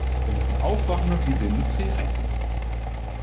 Wir müssen aufwachen und diese Industrie retten.